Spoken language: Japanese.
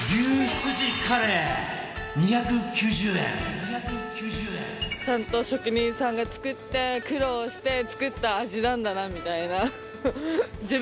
２９０円ちゃんと職人さんが作って苦労して作った味なんだなみたいな。